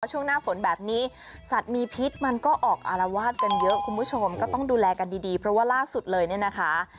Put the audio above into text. ช่วงหน้าฝนแบบนี้สัตว์มีพิษมันก็ออกอารวาสกันเยอะคุณผู้ชมก็ต้องดูแลกันดีดีเพราะว่าล่าสุดเลยเนี่ยนะคะ